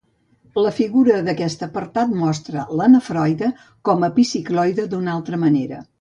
La figura d'aquest apartat mostra la nefroide com a epicicloide d'una altra manera.